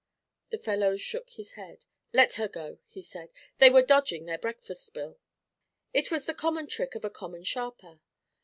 The fellow shook his head. 'Let her go,' he said; 'they were dodging their breakfast bill.' It was the common trick of a common sharper.